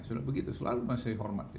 selalu begitu selalu masih hormat